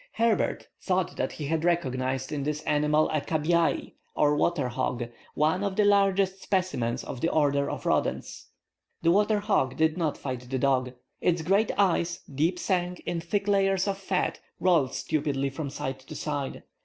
Herbert thought that he recognized in this animal a cabiai, or water hog, one of the largest specimens of the order of rodents. The water hog did not fight the dog. Its great eyes, deep sank in thick layers of fat, rolled stupidly from side to side.